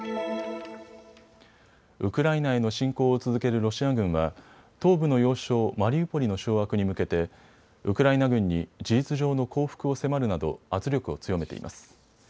ウクライナへの侵攻を続けるロシア軍は東部の要衝マリウポリの掌握に向けてウクライナ軍に事実上の降伏を迫るなど圧力を強めています。